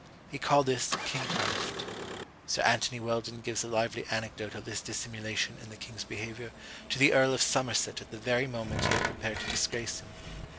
He called this King Craft. Sir Anthony Weldon gives a lively anecdote of this dissimulation in the king's behaviour to the Earl of Somerset at the very moment he had prepared to disgrace him.